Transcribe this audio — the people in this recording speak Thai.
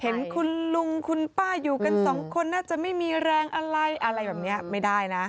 เห็นคุณลุงคุณป้าอยู่กันสองคนน่าจะไม่มีแรงอะไรอะไรแบบนี้ไม่ได้นะ